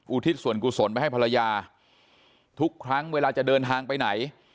ทิศส่วนกุศลไปให้ภรรยาทุกครั้งเวลาจะเดินทางไปไหน